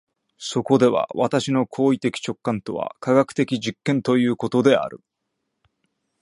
そこでは私の行為的直観とは科学的実験ということである。